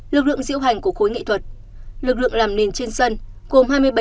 lực lượng diệu hành của khối nghệ thuật lực lượng làm nền trên sân gồm hai mươi bảy khối